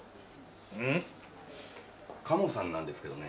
うん？鴨さんなんですけどね。